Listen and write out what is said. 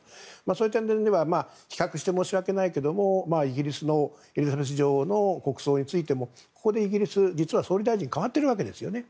そういった点では比較して申し訳ないけれどもイギリスのエリザベス女王の国葬についてもここでイギリス、実は総理大臣が代わってるわけですよね。